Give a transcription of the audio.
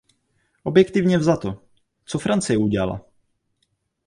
Objektivně vzato, co Francie udělala?